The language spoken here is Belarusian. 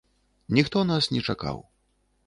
Ніхто нас не чакаў.